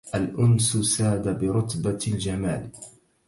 الأنس ساد برتبة الجمال